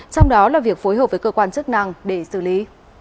trong đó là việc phối hợp với cơ quan chức năng để xử lý